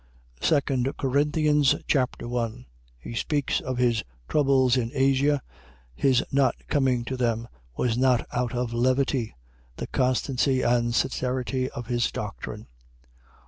2 Corinthians Chapter 1 He speaks of his troubles in Asia. His not coming to them was not out of levity. The constancy and sincerity of his doctrine.